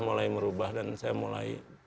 mulai merubah dan saya mulai